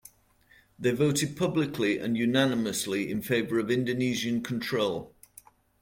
They voted publicly and unanimously in favour of Indonesian control.